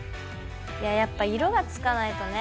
いややっぱ色がつかないとね